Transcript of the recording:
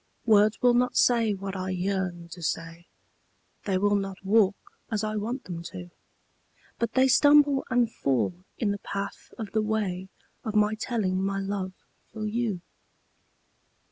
Words will not say what I yearn to say They will not walk as I want them to, But they stumble and fall in the path of the way Of my telling my love for you.